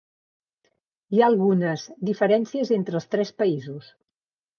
Hi ha algunes diferències entre els tres països.